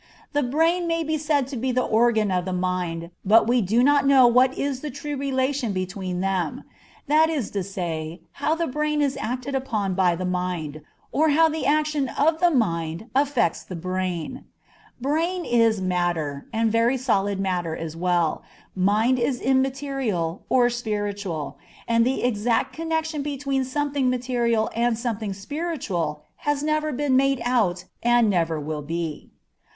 The brain may be said to be the organ of the mind, but we do not know what is the true relation between them; that is, how the brain is acted upon by the mind, or how the action of the mind affects the brain. Brain is matter, and very solid matter as well, mind is immaterial, or spiritual, and the exact connection between something material and something spiritual has never been made out and never will be.